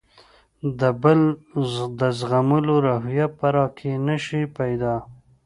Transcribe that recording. د بل د زغملو روحیه به راکې نه شي پیدا.